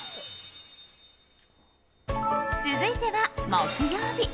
続いては、木曜日。